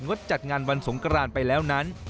ดจัดงานวันสงกรานไปแล้วนั้น